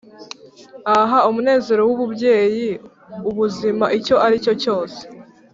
ahh, umunezero wububyeyi- ubuzima icyo aricyo cyose